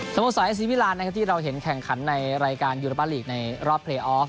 สมมติสายสีวีลานที่เราเห็นแข่งขันในรายการยูโรปารีกในรอบเพลย์ออฟ